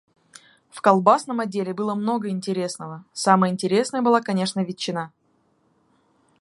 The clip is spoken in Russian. В колбасном отделе было много интересного, самое интересное была конечно ветчина.